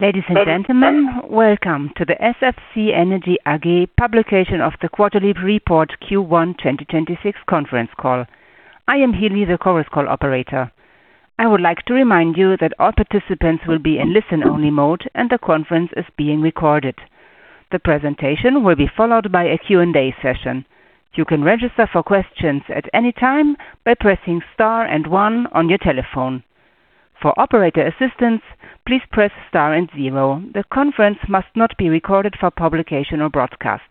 Ladies and gentlemen, welcome to the SFC Energy AG publication of the quarterly report Q1 2026 conference call. I am Hilde, the conference call operator. I would like to remind you that all participants will be in listen-only mode, and the conference is being recorded. The presentation will be followed by a Q&A session. You can register for questions at any time by pressing star and one on your telephone. For operator assistance, please press star and zero. The conference must not be recorded for publication or broadcast.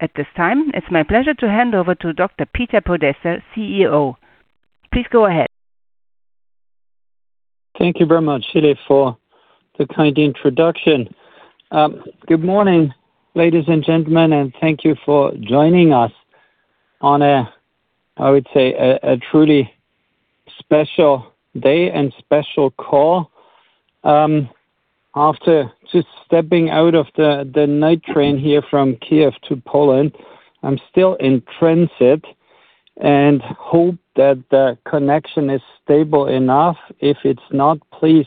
At this time, it's my pleasure to hand over to Dr. Peter Podesser, CEO. Please go ahead. Thank you very much, Hilde, for the kind introduction. Good morning, ladies and gentlemen, and thank you for joining us on a, I would say, a truly special day and special call. After just stepping out of the night train here from Kyiv to Poland, I'm still in transit and hope that the connection is stable enough. If it's not, please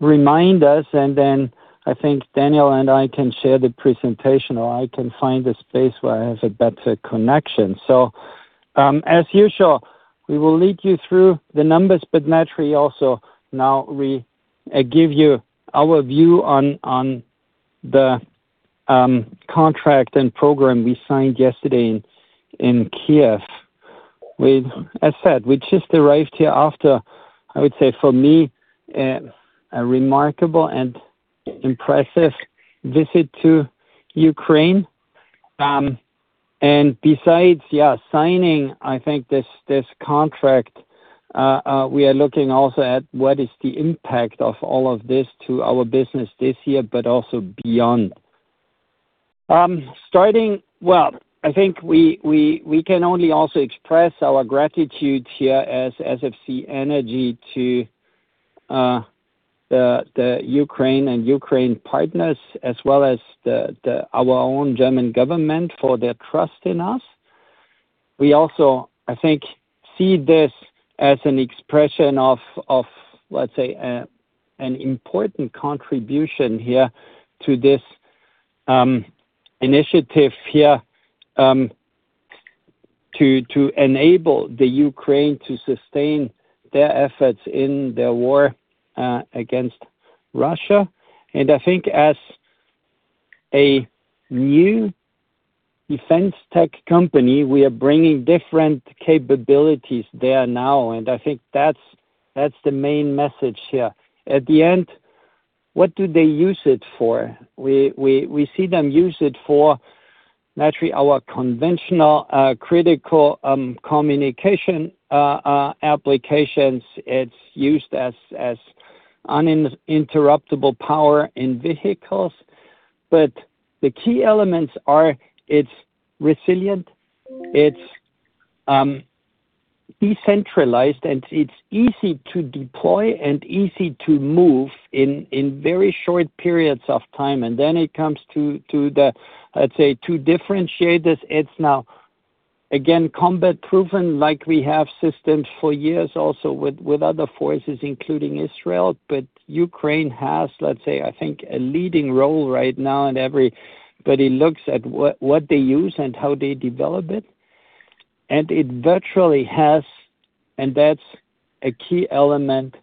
remind us, and then I think Daniel and I can share the presentation, or I can find a space where I have a better connection. As usual, we will lead you through the numbers, but naturally also now we give you our view on the contract and program we signed yesterday in Kyiv. As said, we just arrived here after, I would say, for me, a remarkable and impressive visit to Ukraine. Besides signing this contract, we are looking also at what is the impact of all of this to our business this year, but also beyond. We can only also express our gratitude here as SFC Energy to the Ukraine and Ukraine partners, as well as our own German government for their trust in us. We also see this as an important contribution here to this initiative here to enable the Ukraine to sustain their efforts in their war against Russia. As a new defense tech company, we are bringing different capabilities there now, that's the main message here. At the end, what do they use it for? We see them use it for naturally our conventional, critical communication applications. It's used as uninterruptable power in vehicles. The key elements are it's resilient, it's decentralized, and it's easy to deploy and easy to move in very short periods of time. It comes to the, let's say, to differentiate this, it's now, again, combat-proven like we have systems for years also with other forces, including Israel. Ukraine has, let's say, I think, a leading role right now, and everybody looks at what they use and how they develop it. It virtually has, and that's a key element,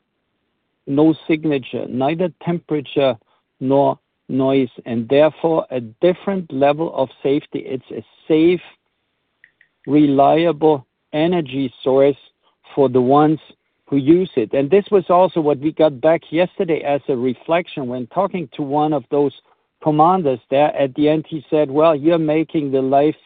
no signature, neither temperature nor noise, and therefore a different level of safety. It's a safe, reliable energy source for the ones who use it. This was also what we got back yesterday as a reflection when talking to one of those commanders there. At the end, he said, "Well, you're making the life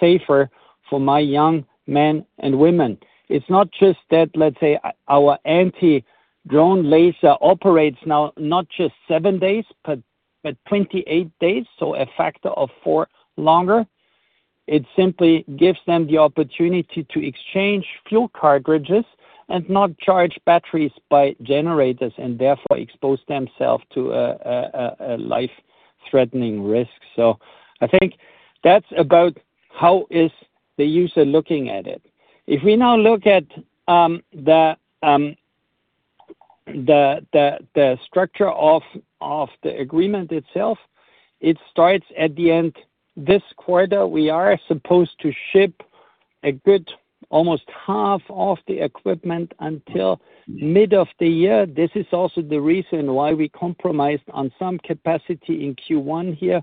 safer for my young men and women." It's not just that, let's say, our anti-drone laser operates now not just seven days, but 28 days, so a factor of four longer. It simply gives them the opportunity to exchange fuel cartridges and not charge batteries by generators and therefore expose themselves to a life-threatening risk. I think that's about how is the user looking at it. If we now look at the structure of the agreement itself, it starts at the end. This quarter, we are supposed to ship a good almost half of the equipment until mid of the year. This is also the reason why we compromised on some capacity in Q1 here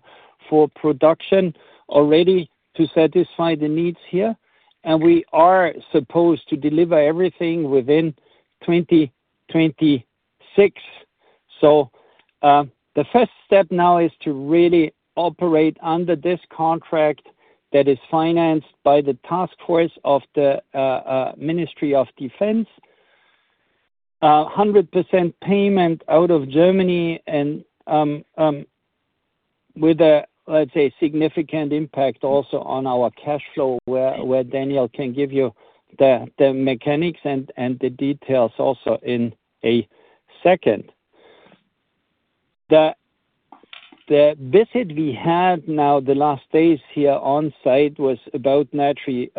for production already to satisfy the needs here. We are supposed to deliver everything within 2026. The first step now is to really operate under this contract that is financed by the task force of the Ministry of Defense. 100% payment out of Germany with a, let's say, significant impact also on our cash flow, where Daniel can give you the mechanics and the details also in a second. The visit we had now the last days here on site was about naturally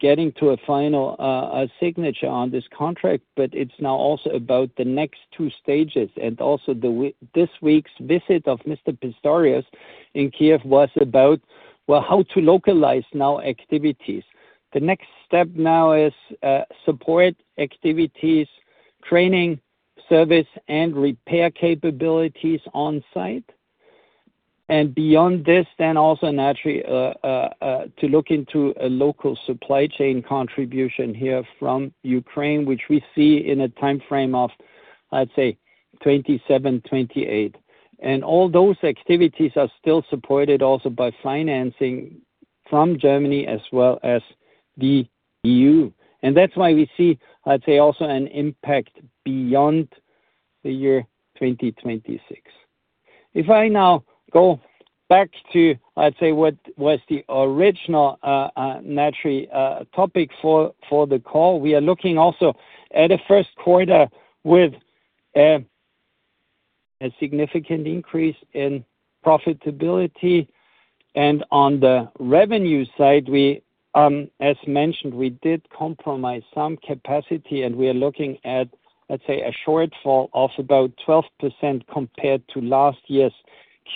getting to a final signature on this contract, but it's now also about the next two stages. This week's visit of Mr. Pistorius in Kyiv was about how to localize now activities. The next step now is support activities, training, service, and repair capabilities on site. Beyond this, to look into a local supply chain contribution here from Ukraine, which we see in a timeframe of 2027, 2028. All those activities are still supported also by financing from Germany as well as the EU. That's why we see also an impact beyond the year 2026. If I now go back to what was the original topic for the call, we are looking also at a first quarter with a significant increase in profitability. On the revenue side, we, as mentioned, we did compromise some capacity, and we are looking at, let's say, a shortfall of about 12% compared to last year's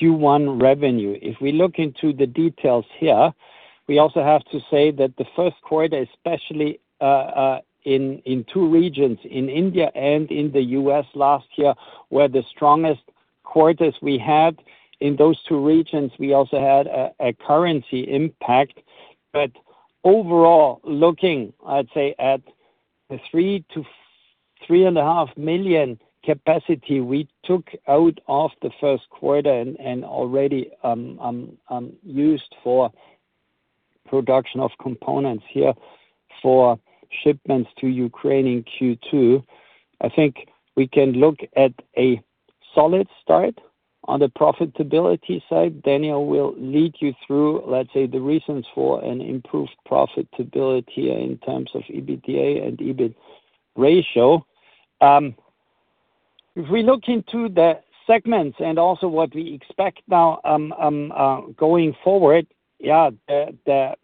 Q1 revenue. If we look into the details here, we also have to say that the first quarter, especially, in two regions, in India and in the U.S. last year, were the strongest quarters we had. In those two regions, we also had a currency impact. Overall, looking, I'd say, at the 3 million-3.5 million capacity we took out of the first quarter and already used for production of components here for shipments to Ukraine in Q2, I think we can look at a solid start on the profitability side. Daniel will lead you through, let's say, the reasons for an improved profitability in terms of EBITDA and EBIT ratio. If we look into the segments and also what we expect now going forward, the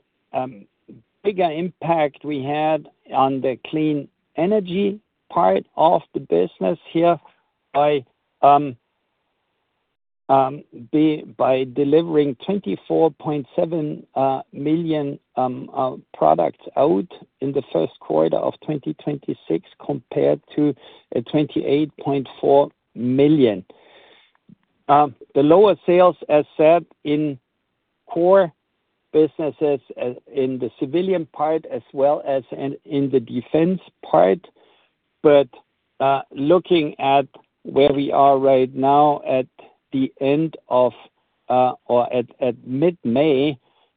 bigger impact we had on the Clean Energy part of the business here by delivering 24.7 million products out in the first quarter of 2026 compared to 28.4 million. The lower sales, as said, in core businesses in the civilian part as well as in the defense part. Looking at where we are right now at the end of or at mid-May,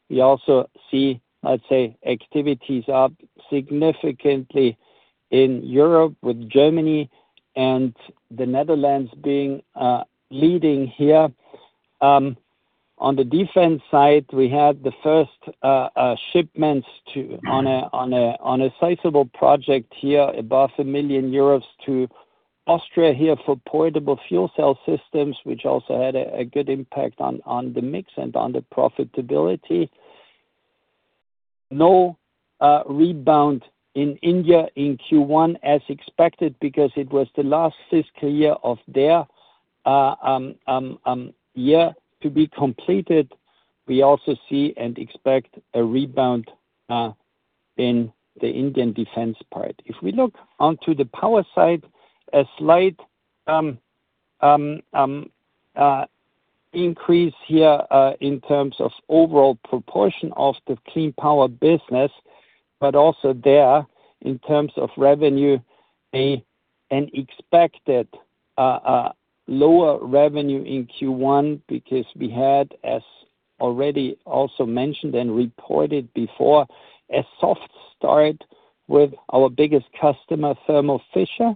we also see, let's say, activities up significantly in Europe with Germany and the Netherlands being leading here. On the defense side, we had the first shipments on a sizable project here, above 1 million euros to Austria here for portable fuel cell systems, which also had a good impact on the mix and on the profitability. No rebound in India in Q1 as expected because it was the last fiscal year of their year to be completed. We also see and expect a rebound in the Indian defense part. If we look onto the power side, a slight increase here in terms of overall proportion of the clean power business. Also there, in terms of revenue, an expected lower revenue in Q1 because we had, as already also mentioned and reported before, a soft start with our biggest customer, Thermo Fisher.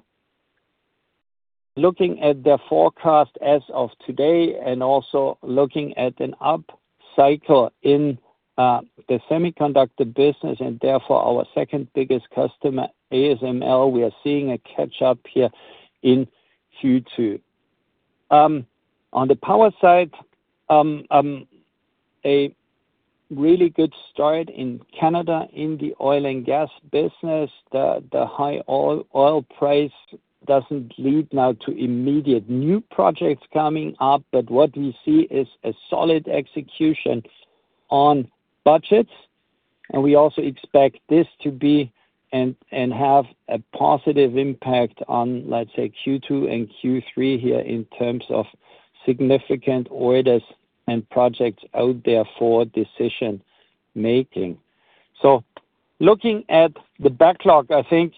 Looking at the forecast as of today and also looking at an up cycle in the semiconductor business and therefore our second-biggest customer, ASML, we are seeing a catch-up here in Q2. On the power side, a really good start in Canada in the oil and gas business. The high oil price doesn't lead now to immediate new projects coming up, but what we see is a solid execution on budgets. We also expect this to be and have a positive impact on, let's say, Q2 and Q3 here in terms of significant orders and projects out there for decision-making. Looking at the backlog, I think,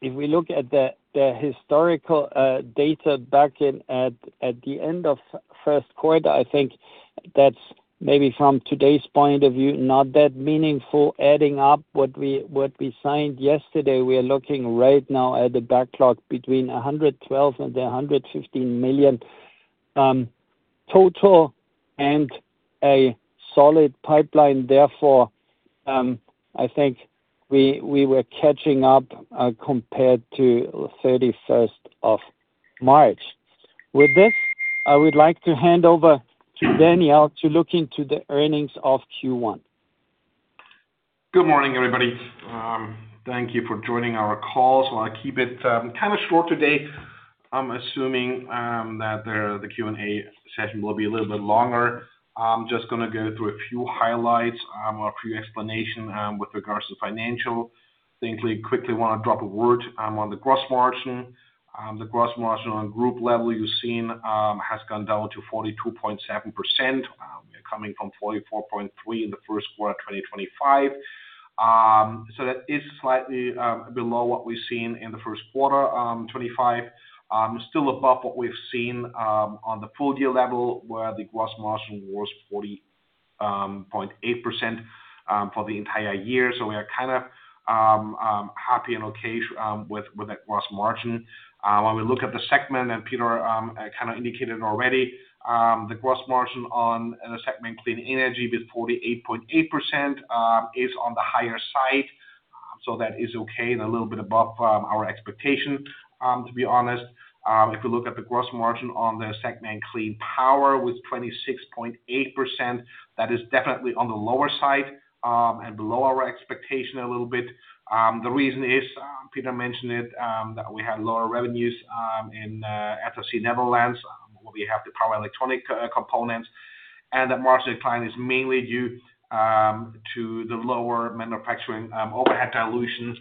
if we look at the historical data back at the end of first quarter, I think that's maybe from today's point of view, not that meaningful. Adding up what we signed yesterday, we are looking right now at a backlog between 112 million and 115 million total and a solid pipeline therefore. I think we were catching up compared to the 31st of March. With this, I would like to hand over to Daniel to look into the earnings of Q1. Good morning, everybody. Thank you for joining our call. I'll keep it kind of short today. I'm assuming that the Q&A session will be a little bit longer. I'm just gonna go through a few highlights, a few explanation with regards to financial. I think we quickly wanna drop a word on the gross margin. The gross margin on group level you've seen has gone down to 42.7%, coming from 44.3% in the first quarter of 2025. That is slightly below what we've seen in the first quarter, 2025. Still above what we've seen on the full year level, where the gross margin was 40.8% for the entire year. We are kinda happy and okay with that gross margin. When we look at the segment, and Peter kinda indicated already, the gross margin on the segment Clean Energy with 48.8% is on the higher side. That is okay and a little bit above our expectation, to be honest. If you look at the gross margin on the segment Clean Power Management with 26.8%, that is definitely on the lower side and below our expectation a little bit. The reason is, Peter mentioned it, that we had lower revenues in SFC Energy B.V., where we have the power electronics components. That margin decline is mainly due to the lower manufacturing overhead dilutions,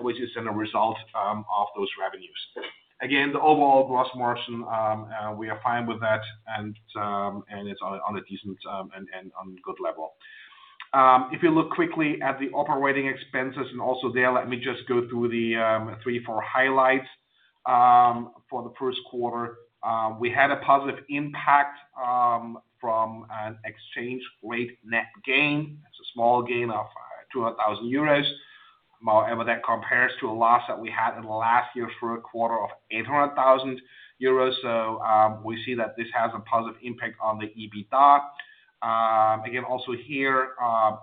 which is a result of those revenues. Again, the overall gross margin, we are fine with that, and it's on a decent and on good level. If you look quickly at the operating expenses, and also there, let me just go through the three, four highlights for the first quarter. We had a positive impact from an exchange rate net gain. It's a small gain of 200,000 euros. However, that compares to a loss that we had in the last year for a quarter of 800,000 euros. We see that this has a positive impact on the EBITDA. Again, also here,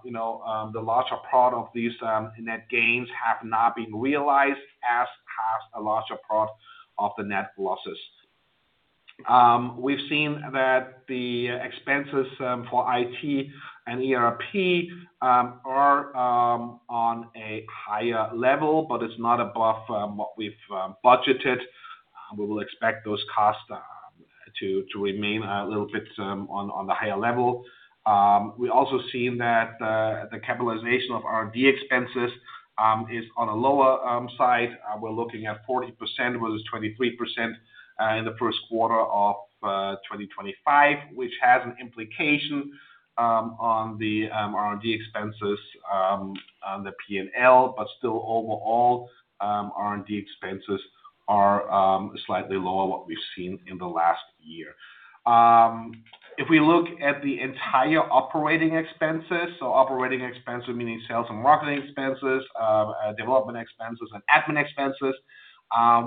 you know, the larger part of these net gains have not been realized, as has a larger part of the net losses. We've seen that the expenses for IT and ERP are on a higher level, but it's not above what we've budgeted. We will expect those costs to remain a little bit on the higher level. We also seen that the capitalization of R&D expenses is on a lower side. We're looking at 40% versus 23% in the first quarter of 2025, which has an implication on the R&D expenses on the P&L. Still overall, R&D expenses are slightly lower what we've seen in the last year. If we look at the entire operating expenses, so operating expenses meaning sales and marketing expenses, development expenses and admin expenses,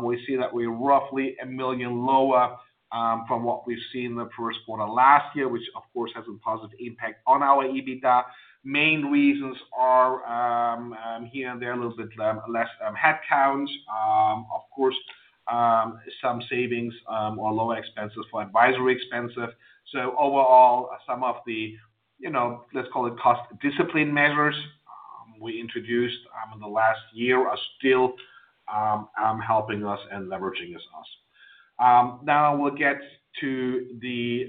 we see that we're roughly 1 million lower from what we've seen in the first quarter last year, which of course has a positive impact on our EBITDA. Main reasons are here and there, a little bit less headcount. Of course, some savings or lower expenses for advisory expenses. Overall, some of the, you know, let's call it cost discipline measures we introduced in the last year are still helping us and leveraging us. Now we'll get to the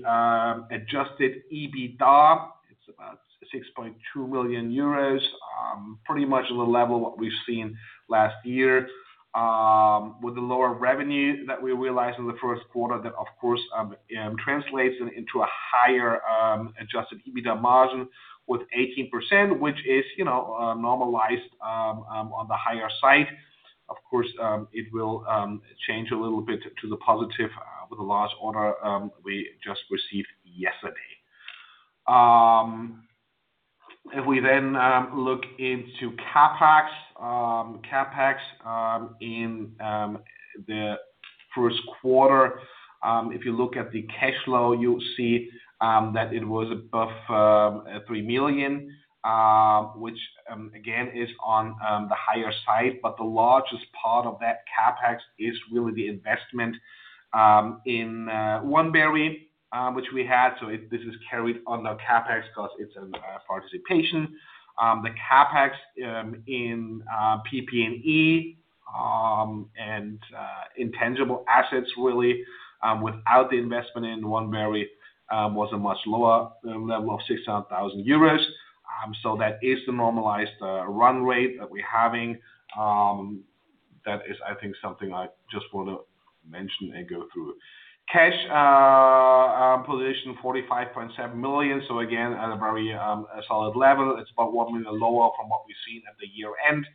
adjusted EBITDA. It's about 6.2 million euros, pretty much the level what we've seen last year. With the lower revenue that we realized in the first quarter, that of course, translates into a higher adjusted EBITDA margin with 18%, which is, you know, normalized on the higher side. It will change a little bit to the positive with the large order we just received yesterday. If we look into CapEx in the first quarter, if you look at the cash flow, you'll see that it was above 3 million, which again, is on the higher side. The largest part of that CapEx is really the investment in Oneberry, which we had. This is carried on the CapEx 'cause it's a participation. The CapEx in PP&E and intangible assets really, without the investment in Oneberry, was a much lower level of 600 thousand euros. That is the normalized run rate that we're having. That is I think something I just wanna mention and go through. Cash position, 45.7 million. Again, at a very solid level. It's about 1 million lower from what we've seen at the year-end.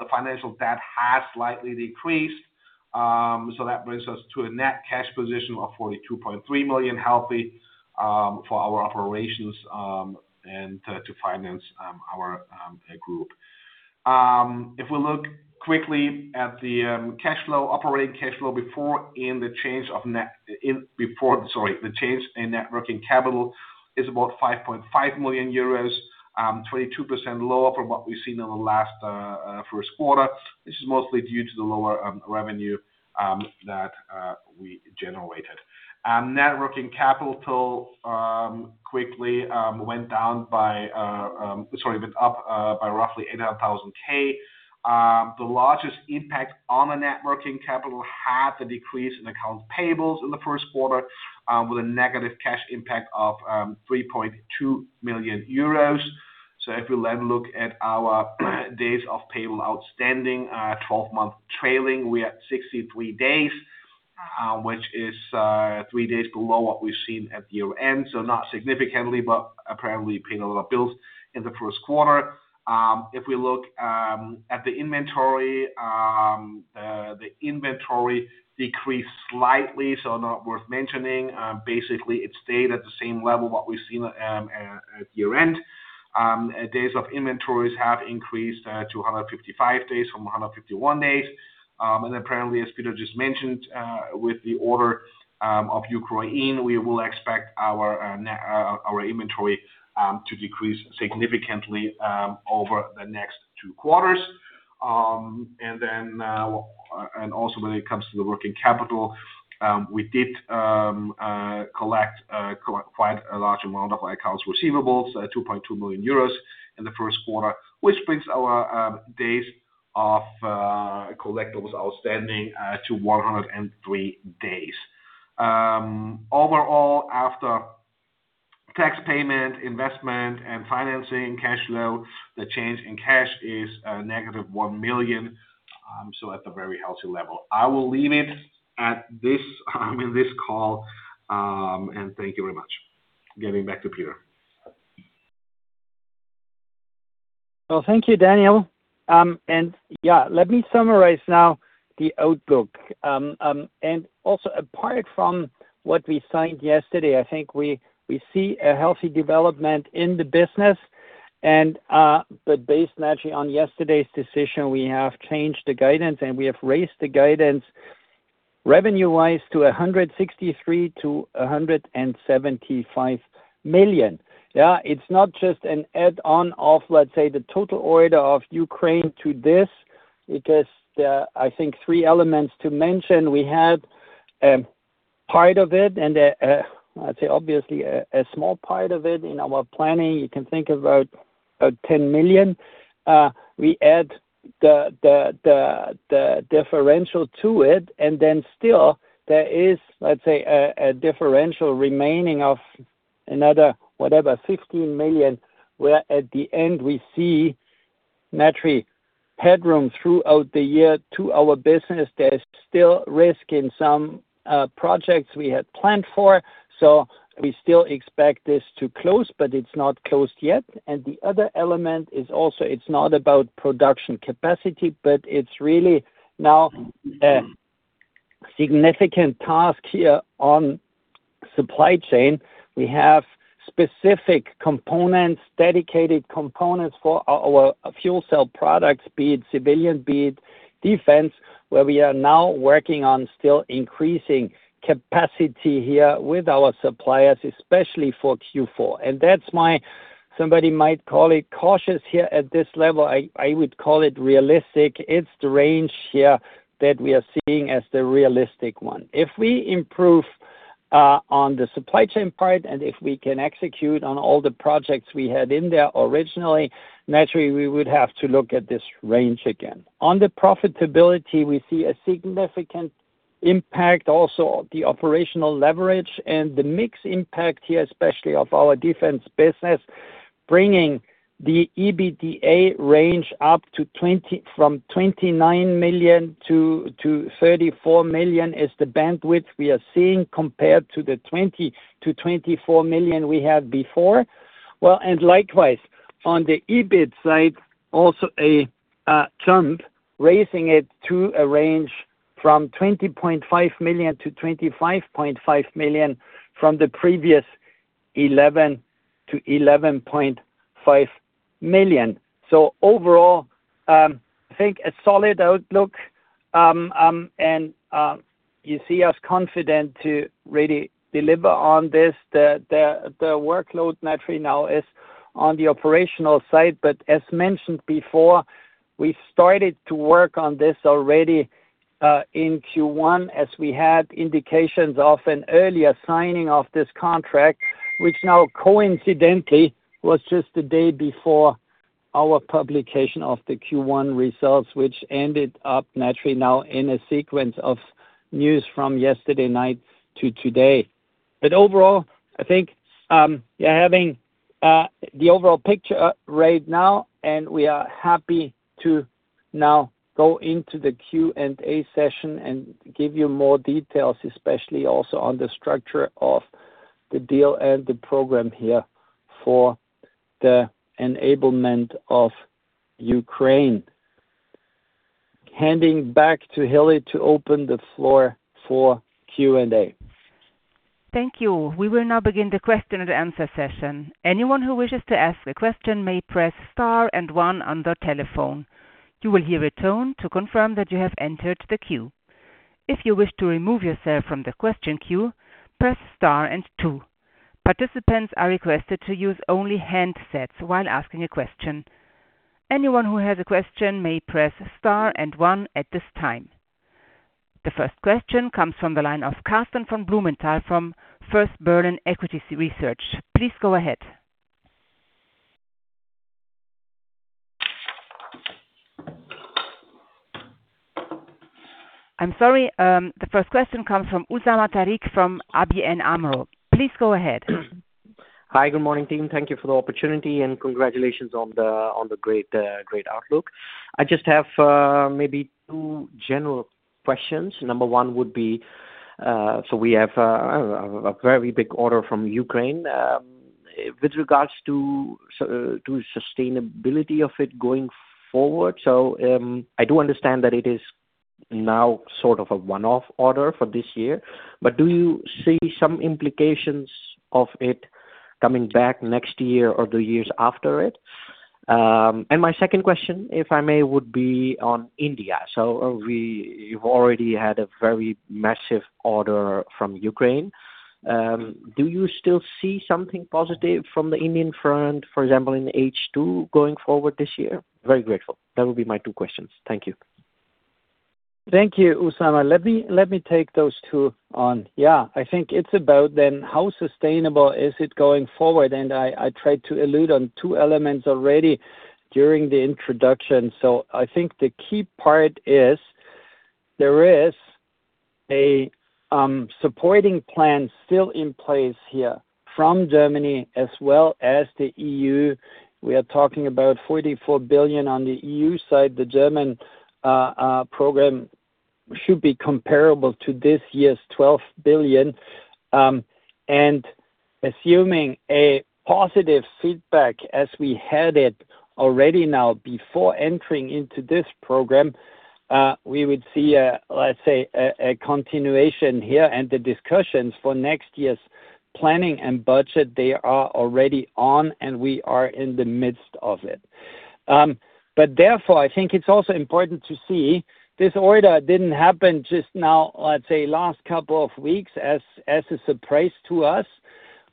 The financial debt has slightly decreased, that brings us to a net cash position of 42.3 million, healthy, for our operations, and to finance, our group. If we look quickly at the cash flow, operating cash flow before the change in net working capital is about 5.5 million euros, 22% lower from what we've seen in the last first quarter. This is mostly due to the lower revenue that we generated. Net working capital quickly went up by roughly 800,000 K. The largest impact on the net working capital had the decrease in accounts payable in the first quarter, with a negative cash impact of 3.2 million euros. If we then look at our days of payable outstanding, 12-month trailing, we're at 63 days, which is three days below what we've seen at year-end, so not significantly, but apparently paying a lot of bills in the first quarter. If we look at the inventory, the inventory decreased slightly, so not worth mentioning. Basically it stayed at the same level what we've seen at year-end. Days of inventories have increased to 155 days from 151 days. Apparently, as Peter just mentioned, with the order of Ukraine, we will expect our net inventory to decrease significantly over the next two quarters. Also when it comes to the working capital, we did collect quite a large amount of accounts receivables, 2.2 million euros in the first quarter, which brings our days of collectibles outstanding to 103 days. Overall, after tax payment, investment, and financing cash flow, the change in cash is negative 1 million at the very healthy level. I will leave it at this in this call, thank you very much. Giving back to Peter. Well, thank you, Daniel. Yeah, let me summarize now the outlook. Apart from what we signed yesterday, I think we see a healthy development in the business and, based naturally on yesterday's decision, we have changed the guidance, and we have raised the guidance revenue-wise to 163 million to 175 million. Yeah. It's not just an add-on of, let's say, the total order of Ukraine to this. It is, I think, three elements to mention. We had part of it, let's say obviously a small part of it in our planning. You can think about 10 million. We add the differential to it and then still there is, let's say, a differential remaining of another, whatever, 15 million, where at the end we see naturally headroom throughout the year to our business. There's still risk in some projects we had planned for, so we still expect this to close, but it's not closed yet. The other element is also, it's not about production capacity, but it's really now a significant task here on supply chain. We have specific components, dedicated components for our fuel cell products, be it civilian, be it defense, where we are now working on still increasing capacity here with our suppliers, especially for Q4. That's somebody might call it cautious here at this level. I would call it realistic. It's the range here that we are seeing as the realistic one. If we improve on the supply chain part and if we can execute on all the projects we had in there originally, naturally, we would have to look at this range again. On the profitability, we see a significant impact also, the operational leverage and the mix impact here, especially of our defense business, bringing the EBITDA range up to from 29 million-34 million is the bandwidth we are seeing compared to the 20 million-24 million we had before. Likewise, on the EBIT side, also a jump, raising it to a range from 20.5 million-25.5 million from the previous 11 million-11.5 million. Overall, I think a solid outlook. You see us confident to really deliver on this. The workload naturally now is on the operational side, but as mentioned before, we started to work on this already in Q1 as we had indications of an earlier signing of this contract, which now coincidentally was just the day before our publication of the Q1 results, which ended up naturally now in a sequence of news from yesterday night to today. Overall, I think you're having the overall picture right now, and we are happy to now go into the Q&A session and give you more details, especially also on the structure of the deal and the program here for the enablement of Ukraine. Handing back to Hilde to open the floor for Q&A. Thank you. We will now begin the question and answer session. Anyone who wishes to ask a question may press star and one on their telephone. You will hear a tone to confirm that you have entered the queue. If you wish to remove yourself from the question queue, press star and two. Participants are requested to use only handsets while asking a question. Anyone who has a question may press star and one at this time. The first question comes from the line of Karsten von Blumenthal from First Berlin Equity Research. Please go ahead. I'm sorry. The first question comes from Usama Tariq from ABN AMRO. Please go ahead. Hi. Good morning, team. Thank you for the opportunity, and congratulations on the great outlook. I just have maybe two general questions. Number one would be, we have a very big order from Ukraine. With regards to sustainability of it going forward. I do understand that it is now sort of a one-off order for this year. Do you see some implications of it coming back next year or the years after it? My second question, if I may, would be on India. You've already had a very massive order from Ukraine. Do you still see something positive from the Indian front, for example, in H2 going forward this year? Very grateful. That would be my two questions. Thank you. Thank you, Usama. Let me take those two on. Yeah, I think it's about then how sustainable is it going forward, and I tried to allude on two elements already during the introduction. I think the key part is there is a supporting plan still in place here from Germany as well as the EU. We are talking about 44 billion on the EU side. The German program should be comparable to this year's 12 billion. Assuming a positive feedback as we had it already now before entering into this program, we would see a, let's say, a continuation here and the discussions for next year's planning and budget, they are already on, and we are in the midst of it. Therefore, I think it's also important to see this order didn't happen just now, let's say, last couple of weeks as a surprise to us.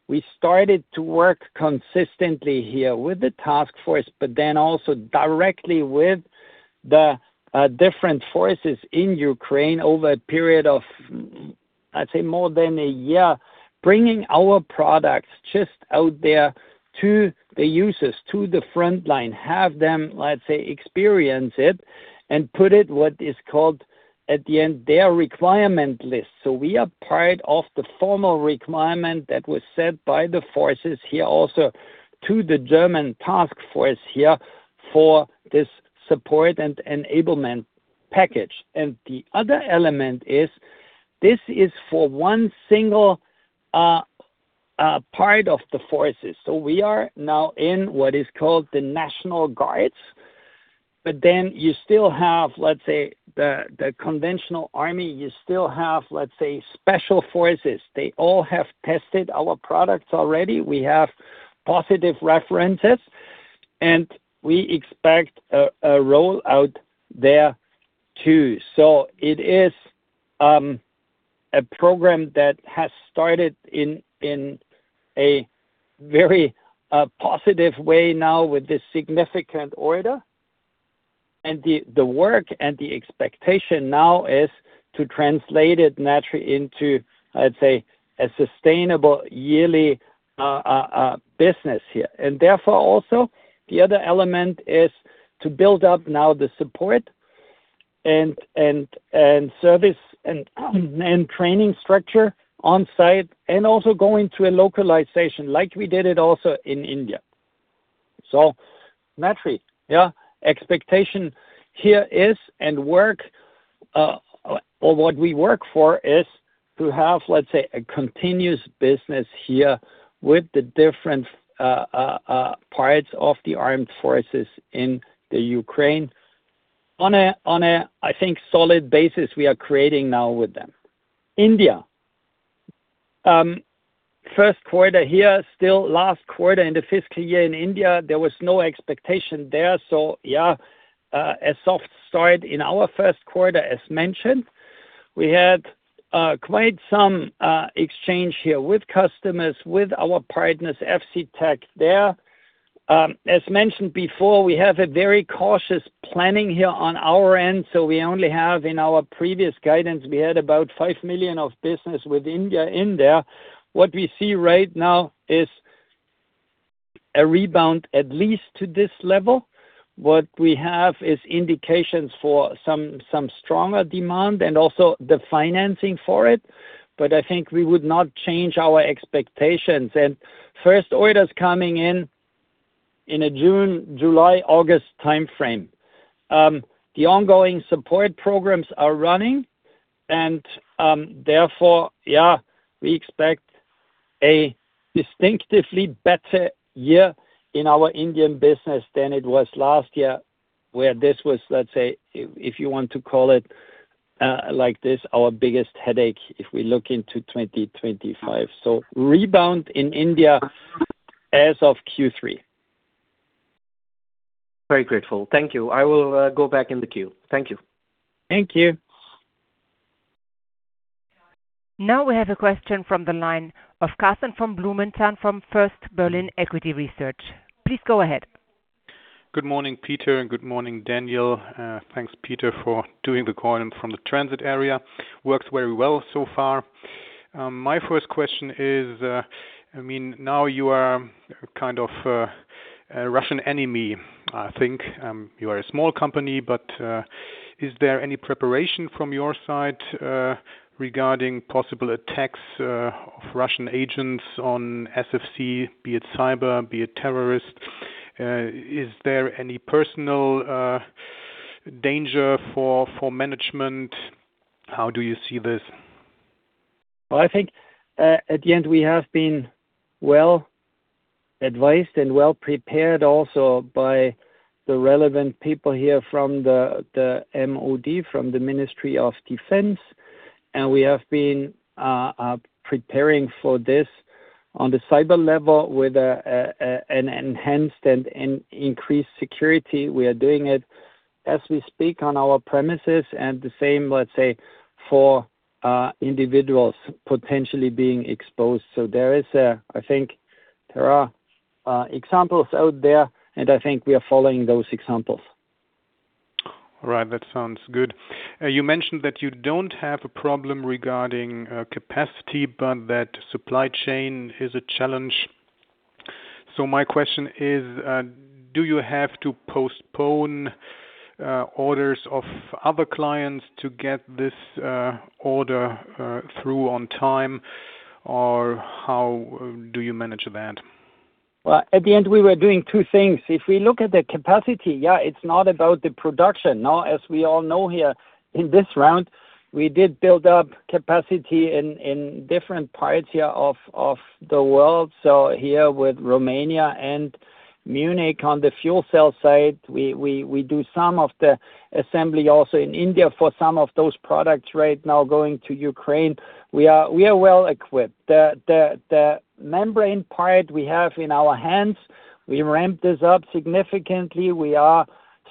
We started to work consistently here with the task force, then also directly with the different forces in Ukraine over a period of, I'd say more than a year, bringing our products just out there to the users, to the front line, have them, let's say, experience it and put it what is called at the end, their requirement list. We are part of the formal requirement that was set by the forces here also to the German task force here for this support and enablement package. The other element is, this is for one single part of the forces. We are now in what is called the National Guard. You still have, let's say, the conventional army. You still have, let's say, special forces. They all have tested our products already. We have positive references, and we expect a roll out there too. It is a program that has started in a very positive way now with this significant order. The work and the expectation now is to translate it naturally into, let's say, a sustainable yearly business here. Therefore, also, the other element is to build up now the support and service and training structure on site and also going to a localization like we did it also in India. Naturally, yeah, expectation here is and work, or what we work for is to have, let's say, a continuous business here with the different parts of the armed forces in the Ukraine on a, on a, I think, solid basis we are creating now with them. India. First quarter here, still last quarter in the fiscal year in India, there was no expectation there. Yeah, a soft start in our first quarter as mentioned. We had quite some exchange here with customers, with our partners, FC TecNrgy there. As mentioned before, we have a very cautious planning here on our end, so we only have in our previous guidance, we had about 5 million of business with India in there. What we see right now is a rebound at least to this level. What we have is indications for some stronger demand and also the financing for it. I think we would not change our expectations. First orders coming in in a June, July, August timeframe. The ongoing support programs are running and, therefore, we expect a distinctively better year in our Indian business than it was last year, where this was, let's say, if you want to call it, like this, our biggest headache if we look into 2025. Rebound in India as of Q3. Very grateful. Thank you. I will go back in the queue. Thank you. Thank you. Now we have a question from the line of Karsten von Blumenthal from First Berlin Equity Research. Please go ahead. Good morning, Peter, and good morning, Daniel. Thanks, Peter, for doing the call in from the transit area. Works very well so far. My first question is, I mean, now you are kind of a Russian enemy, I think. You are a small company. Is there any preparation from your side, regarding possible attacks, of Russian agents on SFC, be it cyber, be it terrorist? Is there any personal danger for management? How do you see this? Well, I think, at the end, we have been well advised and well prepared also by the relevant people here from the MOD, from the Ministry of Defence. We have been preparing for this on the cyber level with an enhanced and increased security. We are doing it as we speak on our premises, and the same, let's say, for individuals potentially being exposed. There is, I think there are examples out there, and I think we are following those examples. Right. That sounds good. You mentioned that you don't have a problem regarding capacity, but that supply chain is a challenge. My question is, do you have to postpone orders of other clients to get this order through on time, or how do you manage that? Well, at the end, we were doing two things. If we look at the capacity, yeah, it's not about the production. As we all know here in this round, we did build up capacity in different parts here of the world. Here with Romania and Munich on the fuel cell side, we do some of the assembly also in India for some of those products right now going to Ukraine. We are well equipped. The membrane part we have in our hands, we ramp this up significantly. We are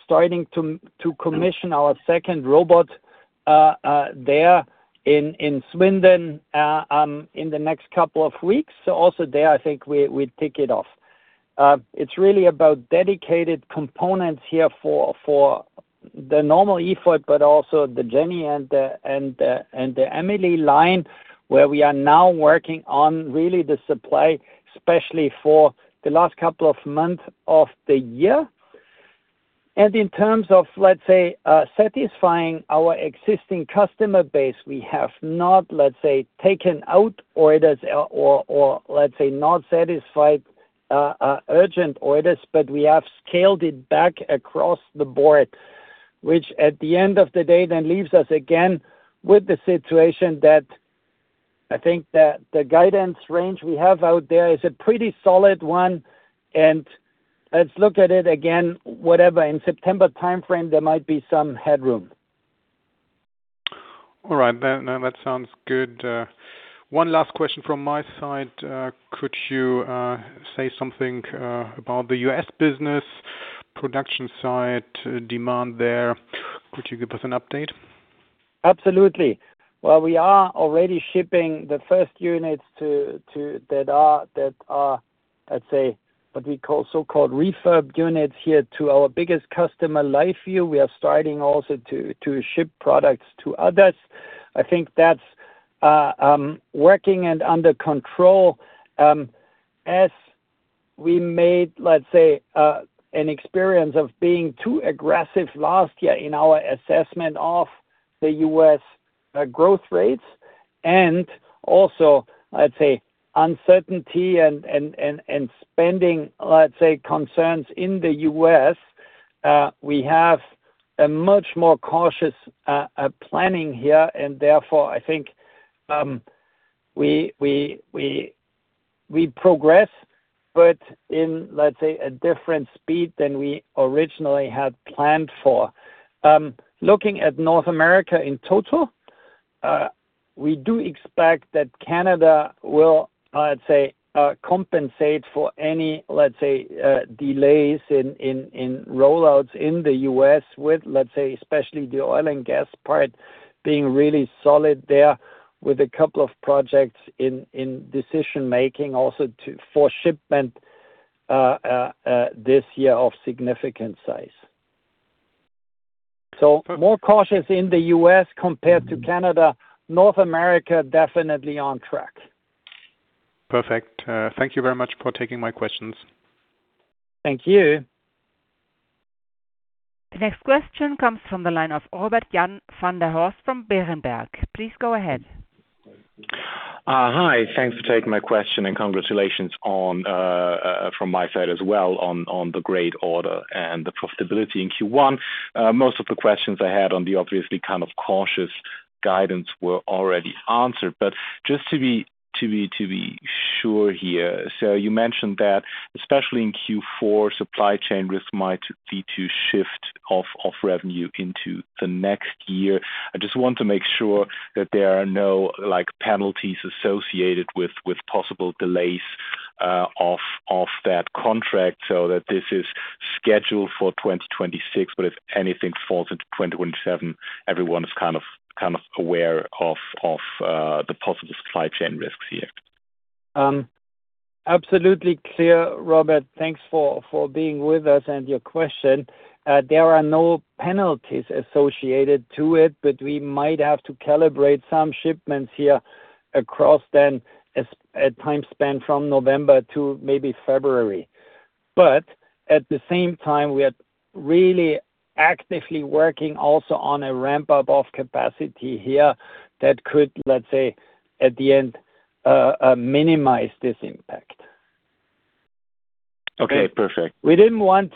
starting to commission our second robot there in Brunnthal in the next couple of weeks. Also there, I think we tick it off. It's really about dedicated components here for the normal effort, but also the JENNY and the EMILY line, where we are now working on really the supply, especially for the last couple of months of the year. In terms of, let's say, satisfying our existing customer base, we have not, let's say, taken out orders or let's say, not satisfied urgent orders, but we have scaled it back across the board, which at the end of the day then leaves us again with the situation that I think that the guidance range we have out there is a pretty solid one, and let's look at it again. In September timeframe, there might be some headroom. All right. Then that sounds good. One last question from my side. Could you say something about the U.S. business production side demand there? Could you give us an update? Absolutely. Well, we are already shipping the first units that are, let's say, what we call so-called refurb units here to our biggest customer, LiveView. We are starting also to ship products to others. I think that's working and under control, as we made, let's say, an experience of being too aggressive last year in our assessment of the U.S. growth rates and also, let's say, uncertainty and spending, let's say, concerns in the U.S., we have a much more cautious planning here, and therefore, I think, we progress, but in, let's say, a different speed than we originally had planned for. Looking at North America in total, we do expect that Canada will, let's say, compensate for any, let's say, delays in rollouts in the U.S. with, let's say, especially the oil and gas part being really solid there with a couple of projects in decision-making also for shipment this year of significant size. More cautious in the U.S. compared to Canada. North America, definitely on track. Perfect. Thank you very much for taking my questions. Thank you. The next question comes from the line of Robert-Jan van der Horst from Berenberg. Please go ahead. Hi. Thanks for taking my question, and congratulations from my side as well on the great order and the profitability in Q1. Most of the questions I had on the obviously kind of cautious guidance were already answered. Just to be sure here. You mentioned that especially in Q4, supply chain risk might lead to shift of revenue into the next year. I just want to make sure that there are no, like, penalties associated with possible delays off that contract so that this is scheduled for 2026, but if anything falls into 2027, everyone is kind of aware of the possible supply chain risks here. Absolutely clear, Robert. Thanks for being with us and your question. There are no penalties associated to it, but we might have to calibrate some shipments here across then a time span from November to maybe February. At the same time, we are really actively working also on a ramp-up of capacity here that could, let's say, at the end, minimize this impact. Okay. Perfect. We didn't want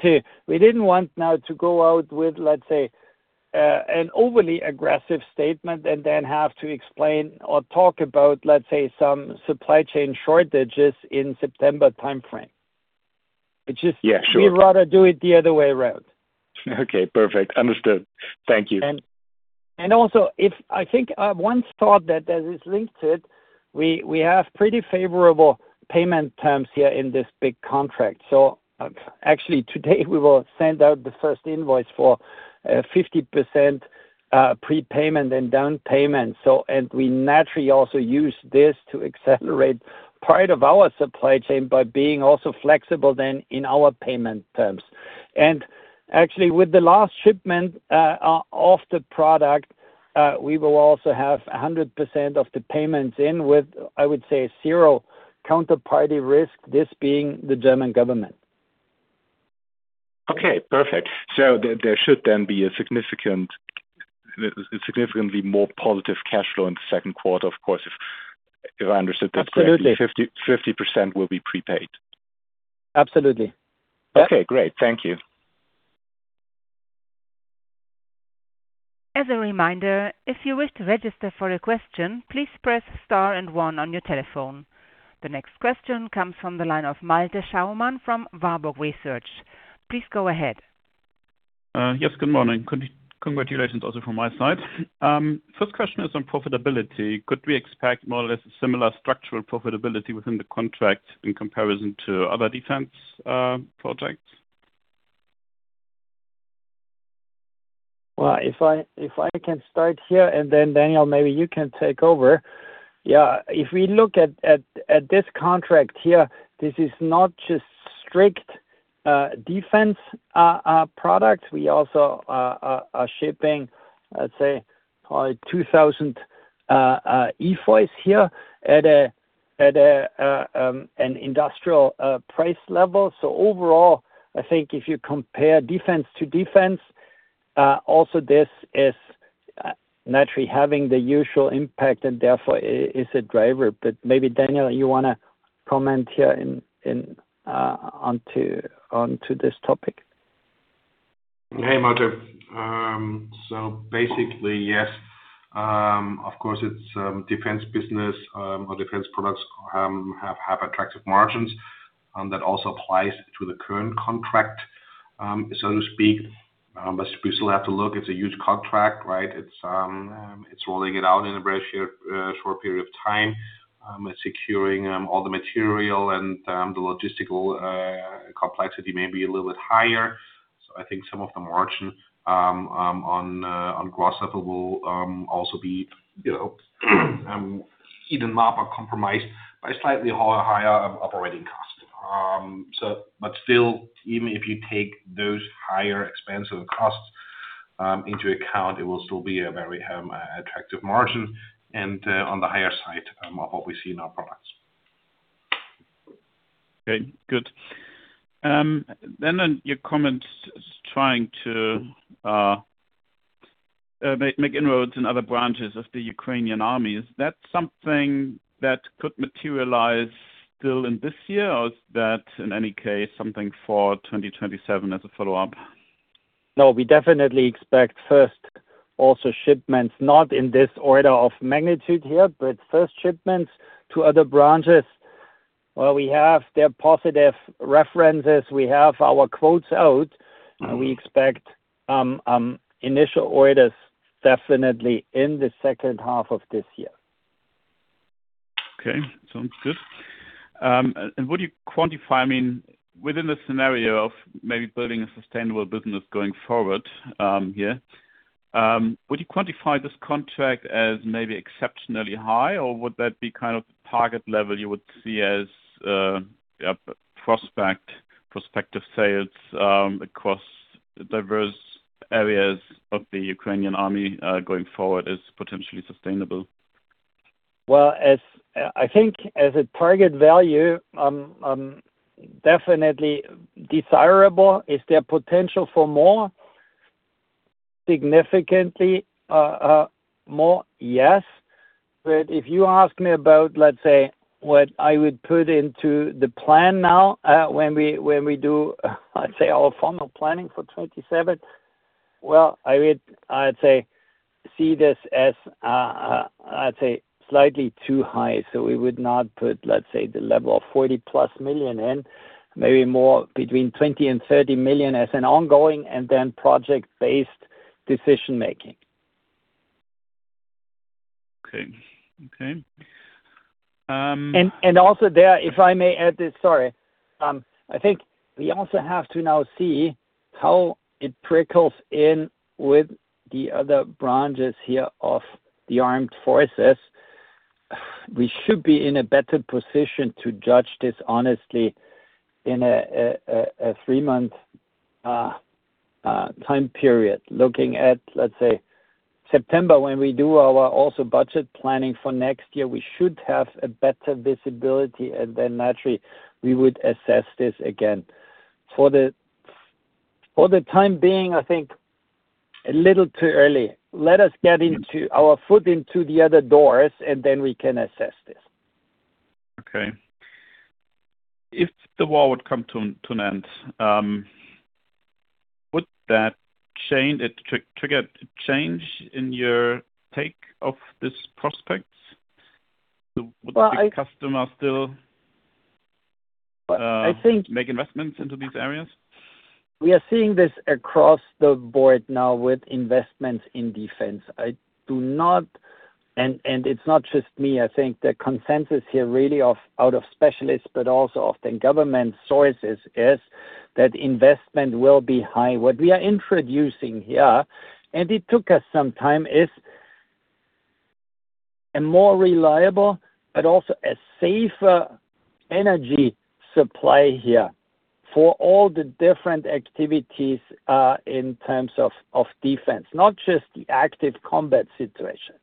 now to go out with, let's say, an overly aggressive statement and then have to explain or talk about, let's say, some supply chain shortages in September timeframe. Yeah, sure. We'd rather do it the other way around. Okay, perfect. Understood. Thank you. Also, I think, one thought that is linked to it, we have pretty favorable payment terms here in this big contract. Actually today, we will send out the first invoice for 50% prepayment and down payment. We naturally also use this to accelerate part of our supply chain by being also flexible then in our payment terms. Actually, with the last shipment of the product, we will also have 100% of the payments in with, I would say, zero counterparty risk, this being the German government. Okay, perfect. There should then be a significant, significantly more positive cash flow in the second quarter, of course, if I understood that correctly? Absolutely 50% will be prepaid. Absolutely. Okay, great. Thank you. As a reminder, if you wish to register for a question, please press star and one on your telephone. The next question comes from the line of Malte Schaumann from Warburg Research. Please go ahead. Yes. Good morning. Congratulations also from my side. First question is on profitability. Could we expect more or less similar structural profitability within the contract in comparison to other defense projects? Well, if I can start here, then Daniel, maybe you can take over. Yeah, if we look at this contract here, this is not just strict defense product. We also are shipping, let's say, 2,000 EFOYs here at an industrial price level. Overall, I think if you compare defense to defense, also this is naturally having the usual impact and therefore is a driver. Maybe Daniel, you wanna comment here in onto this topic? Hey, Malte. Basically, yes, of course, it's defense business or defense products have attractive margins that also applies to the current contract, so to speak. We still have to look, it's a huge contract, right? It's rolling it out in a very short period of time, securing all the material and the logistical complexity may be a little bit higher. I think some of the margin on gross level will also be, you know, either not but compromised by slightly higher operating costs. Still, even if you take those higher expensive costs into account, it will still be a very attractive margin and on the higher side of what we see in our products. Okay, good. On your comments trying to make inroads in other branches of the Ukrainian army. Is that something that could materialize still in this year, or is that in any case, something for 2027 as a follow-up? No, we definitely expect first also shipments, not in this order of magnitude here, but first shipments to other branches. Well, we have their positive references. We have our quotes out. We expect initial orders definitely in the second half of this year. Okay. Sounds good. Would you quantify, I mean, within the scenario of maybe building a sustainable business going forward, here, would you quantify this contract as maybe exceptionally high, or would that be kind of the target level you would see as, a prospective sales, across diverse areas of the Ukrainian army, going forward as potentially sustainable? Well, as I think as a target value, definitely desirable. Is there potential for more? Significantly more? Yes. If you ask me about what I would put into the plan now, when we do our formal planning for 2027. Well, I would say see this as slightly too high, so we would not put the level of 40+ million in, maybe more between 20 million and 30 million as an ongoing and then project-based decision-making. Okay. Okay. Also there, if I may add this, sorry. I think we also have to now see how it trickles in with the other branches here of the armed forces. We should be in a better position to judge this honestly in a three month time period. Looking at, let's say, September, when we do our also budget planning for next year, we should have a better visibility. Then naturally we would assess this again. For the time being, I think a little too early. Let us get our foot into the other doors, and then we can assess this. Okay. If the war would come to an end, would that change it, trigger a change in your take of this prospect? Well, I- Would the big customer still? Well. Make investments into these areas? We are seeing this across the board now with investments in defense. It's not just me. I think the consensus here really out of specialists but also often government sources is that investment will be high. What we are introducing here, and it took us some time, is a more reliable but also a safer energy supply here for all the different activities in terms of defense, not just the active combat situation.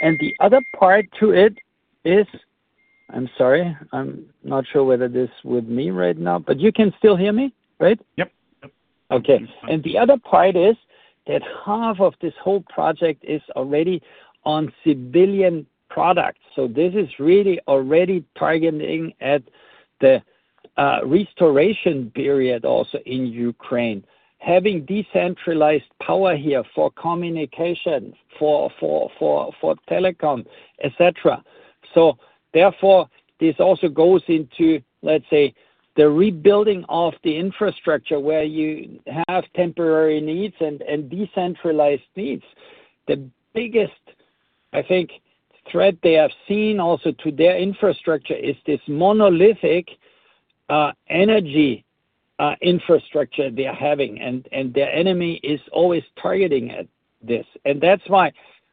The other part to it is I'm sorry. I'm not sure whether it is with me right now, but you can still hear me, right? Yep. Yep. Okay. The other part is that half of this whole project is already on civilian products. This is really already targeting at the restoration period also in Ukraine. Having decentralized power here for communication, for telecom, et cetera. Therefore, this also goes into, let's say, the rebuilding of the infrastructure where you have temporary needs and decentralized needs. The biggest, I think, threat they have seen also to their infrastructure is this monolithic energy infrastructure they are having, and their enemy is always targeting at this. That's why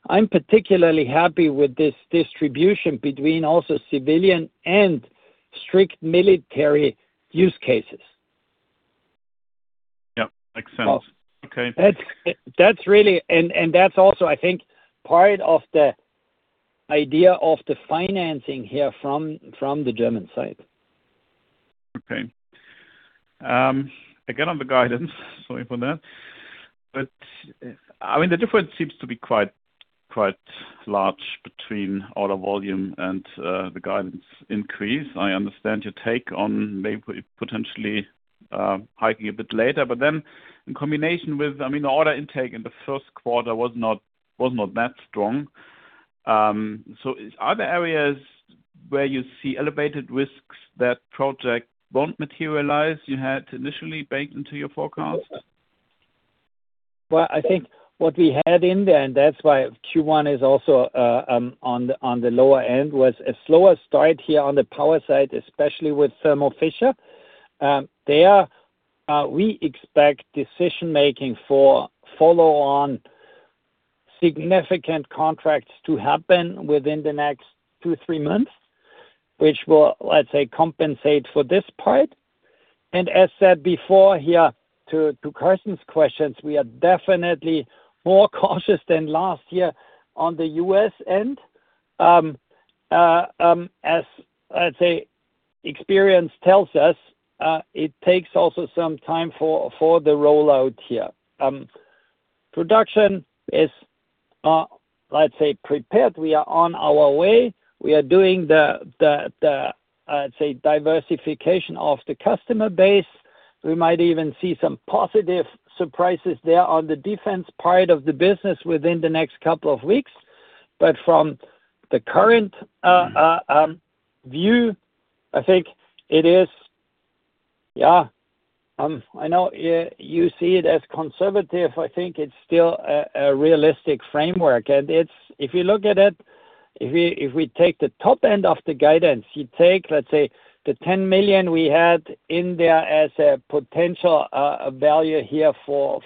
I'm particularly happy with this distribution between also civilian and strict military use cases. Yeah. Makes sense. So- Okay. That's really And that's also, I think, part of the idea of the financing here from the German side. Again, on the guidance, sorry for that, I mean, the difference seems to be quite large between order volume and the guidance increase. I understand your take on maybe potentially hiking a bit later, in combination with, I mean, the order intake in the first quarter was not that strong. Are there areas where you see elevated risks that project won't materialize you had initially baked into your forecast? Well, I think what we had in there, and that's why Q1 is also on the, on the lower end, was a slower start here on the power side, especially with Thermo Fisher Scientific. There, we expect decision-making for follow-on significant contracts to happen within the next two, three months, which will, let's say, compensate for this part. As said before here to Karsten's questions, we are definitely more cautious than last year on the U.S. end. As I'd say, experience tells us, it takes also some time for the rollout here. Production is, let's say prepared. We are on our way. We are doing the, let's say, diversification of the customer base. We might even see some positive surprises there on the defense part of the business within the next couple of weeks. From the current view, I think it is, I know you see it as conservative. I think it's still a realistic framework. If you look at it, if we take the top end of the guidance, you take, let's say, the 10 million we had in there as a potential value here for,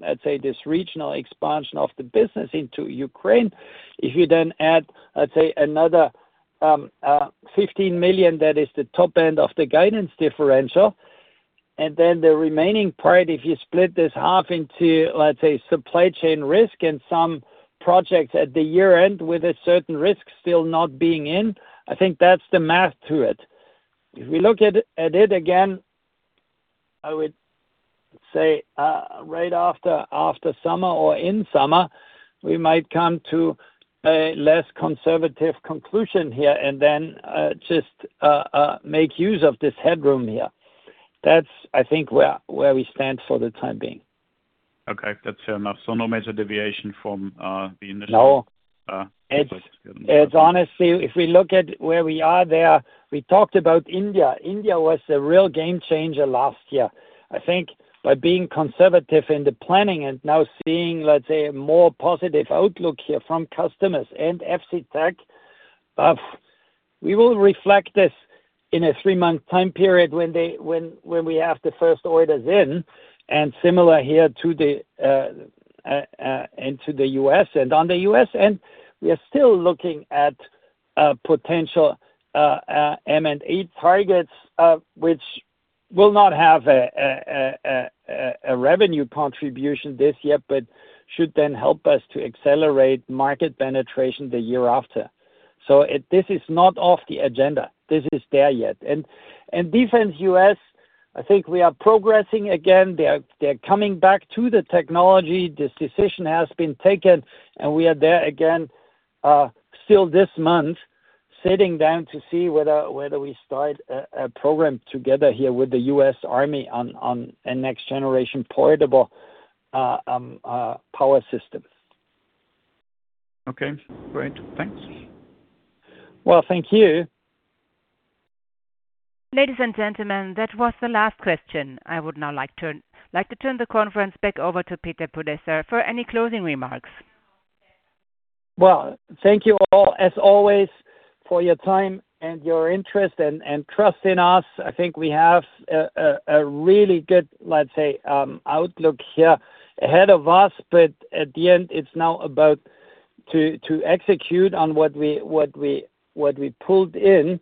let's say, this regional expansion of the business into Ukraine. If you then add, let's say, another 15 million, that is the top end of the guidance differential, the remaining part, if you split this half into, let's say, supply chain risk and some projects at the year-end with a certain risk still not being in, I think that's the math to it. If we look at it again, I would say, right after summer or in summer, we might come to a less conservative conclusion here, and then just make use of this headroom here. That's, I think where we stand for the time being. Okay. That's fair enough, no major deviation from. No Perspective. It's honestly, if we look at where we are there, we talked about India. India was a real game changer last year. I think by being conservative in the planning and now seeing, let's say, a more positive outlook here from customers and FC TecNrgy, we will reflect this in a three month time period when we have the first orders in, similar here to the to the U.S. On the U.S. end, we are still looking at potential M&A targets, which will not have a revenue contribution this year, but should then help us to accelerate market penetration the year after. This is not off the agenda. This is there yet. Defense U.S., I think we are progressing again. They're coming back to the technology. This decision has been taken. We are there again, still this month, sitting down to see whether we start a program together here with the US Army on a next generation portable power system. Okay, great. Thanks. Well, thank you. Ladies and gentlemen, that was the last question. I would now like to turn the conference back over to Peter Podesser for any closing remarks. Thank you all as always for your time and your interest and trust in us. I think we have a really good, let's say, outlook here ahead of us. At the end, it's now about to execute on what we pulled in,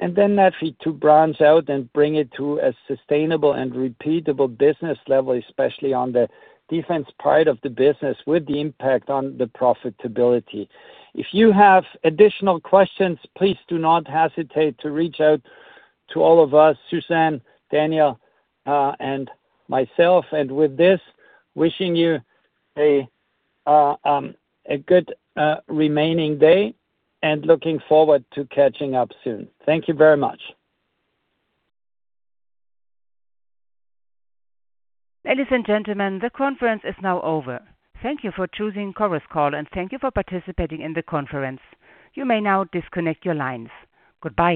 and then naturally to branch out and bring it to a sustainable and repeatable business level, especially on the defense part of the business with the impact on the profitability. If you have additional questions, please do not hesitate to reach out to all of us, Susan Hoffmeister, Daniel Saxena, and myself. With this, wishing you a good remaining day and looking forward to catching up soon. Thank you very much. Ladies and gentlemen, the conference is now over. Thank you for choosing Chorus Call, and thank you for participating in the conference. You may now disconnect your lines. Goodbye.